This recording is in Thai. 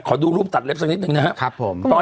ดูรูปตัดเล็บสักนิดนึงนะครับผม